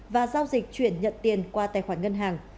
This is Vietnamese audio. và giao dịch chuyển nhận tiền qua tài khoản ngân hàng